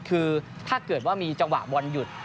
คือถ้าเกิดว่ามีจังหวะบอลหยุด